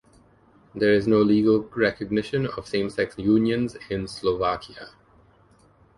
There is no legal recognition of same-sex unions in Slovakia.